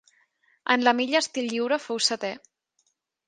En la milla estil lliure fou setè.